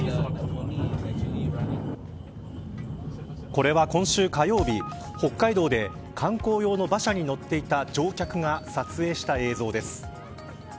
これは今週火曜日北海道で観光用の馬車に乗っていた乗客が撮影した映像です。